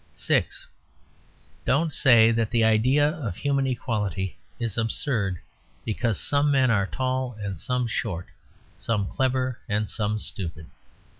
(6) Don't say that the idea of human equality is absurd, because some men are tall and some short, some clever and some stupid.